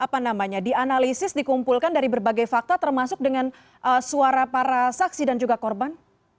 jadi apa namanya dianalisis dikumpulkan dari berbagai fakta termasuk dengan suara para saksi dan juga korban